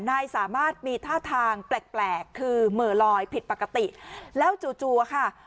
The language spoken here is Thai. นายสามารถมีท่าทางแปลกแปลกคือเหม่อลอยผิดปกติแล้วจู่จัวค่ะ